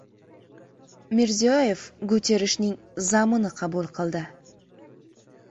Mirziyoyev Guterrishning “zam”ini qabul qildi